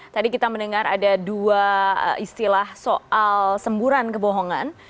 tadi kita mendengar ada dua istilah soal semburan kebohongan